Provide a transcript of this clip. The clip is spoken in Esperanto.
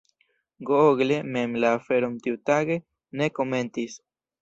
Google mem la aferon tiutage ne komentis.